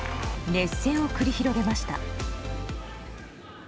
熱戦を繰り広げました。